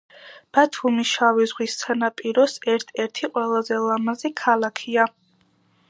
ბათუმი შავი ზღვის სანაპიროს ერთ-ერთი ყველაზე ლამაზი ქალაქია